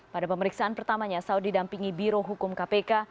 pada pemeriksaan pertamanya saud didampingi biro hukum kpk